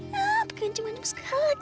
gak pengen cuman nyusuk lagi